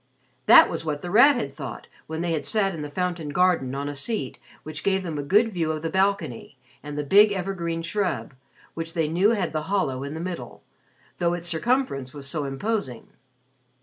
That was what The Rat had thought when they had sat in the Fountain Garden on a seat which gave them a good view of the balcony and the big evergreen shrub, which they knew had the hollow in the middle, though its circumference was so imposing.